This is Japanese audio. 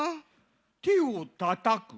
てをたたく？